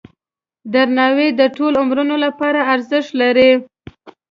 درناوی د ټولو عمرونو لپاره ارزښت لري.